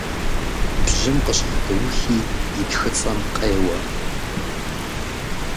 Бжьым къыщхьэдэухи, и тхыцӀэм къеуэ.